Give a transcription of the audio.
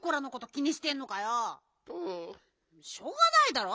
しょうがないだろ。